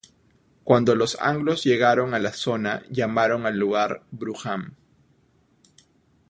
Cuando los anglos llegaron a la zona llamaron al lugar Brougham.